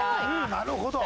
なるほど。